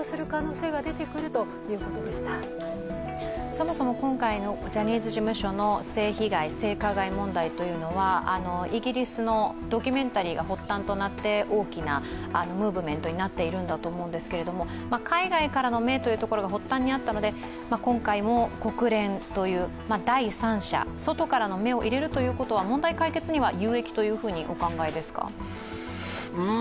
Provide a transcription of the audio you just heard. そもそも今回のジャニーズ事務所の性被害、性加害問題というのは、イギリスのドキュメンタリーが発端となって大きなムーブメントになっているんだと思うんですけど海外からの目というところが発端にあったので、今回も国連という第三者、外からの目を入れるということは問題解決には有益とお考えですか？